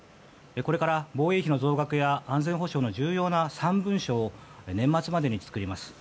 これから防衛費の増額や安全保障の重要な３文書を年末までに作ります。